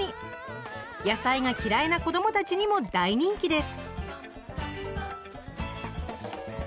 野菜が嫌いな子どもたちにも大人気です。